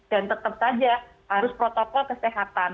dan tetap saja harus protokol kesehatan